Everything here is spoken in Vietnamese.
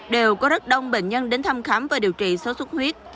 đều có rất đông bệnh nhân đến thăm khám và điều trị sốt xuất huyết